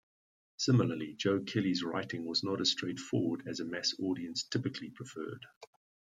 Similarly, Joe Kelly's writing was not as straightforward as a mass audience typically preferred.